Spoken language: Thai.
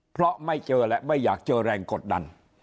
เพราะไม่เจอและไม่อยากเจอแรงกดดัน